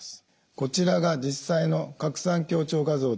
こちらが実際の拡散強調画像です。